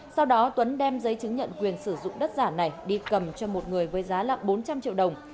sau đó tuấn đem giấy chứng nhận quyền sử dụng đất giả này đi cầm cho một người với giá là bốn trăm linh triệu đồng